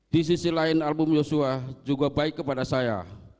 di sisi lain album yosua juga baik kepada saya